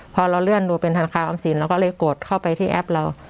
พอเราเลื่อนดูเป็นธนาคารออมสินเราก็เลยกดเข้าไปที่แอปเรา